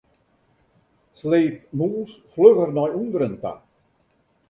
Sleep mûs flugger nei ûnderen ta.